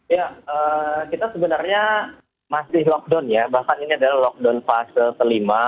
ya kita sebenarnya masih lockdown ya bahkan ini adalah lockdown fase kelima